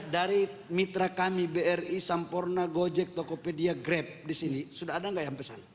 dari mitra kami bri sampurna gojek tokopedia grab di sini sudah ada nggak yang pesan